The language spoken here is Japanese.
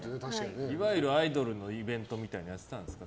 いわゆるアイドルのイベントみたいなのはやってたんですか？